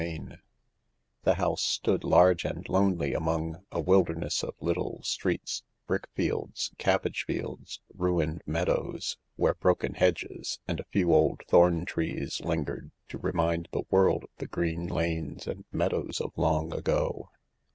CHAPTER IV The house stood large and lonely among a wilderness of little streets, brickfields, cabbage fields, ruined meadows where broken hedges and a few old thorn trees lingered to remind the world of the green lanes and meadows of lonrf ago.